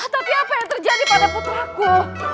tapi apa yang terjadi pada putraku